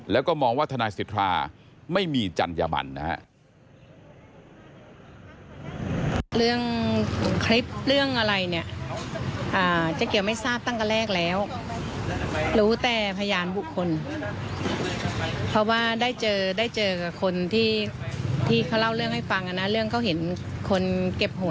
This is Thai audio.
แล้วก็มองวัฒนาสิทธิภาพไม่มีจัญญบันนะครับ